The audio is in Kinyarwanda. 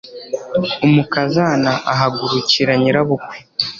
umukazana ahagurukira nyirabukwe